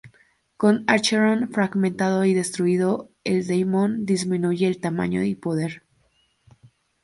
Con Acheron fragmentado y destruido, el Daemon disminuye en tamaño y poder.